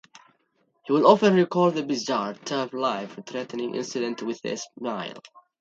He would often recall the bizarre, though life-threatening incident, with a smile.